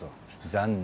残念。